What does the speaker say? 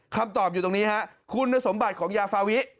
คำตอบอยู่ตรงนี้ฮะคุณสมบัติของยาฟาวิ